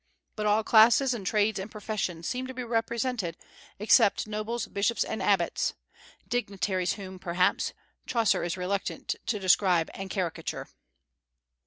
But all classes and trades and professions seem to be represented, except nobles, bishops, and abbots, dignitaries whom, perhaps, Chaucer is reluctant to describe and caricature.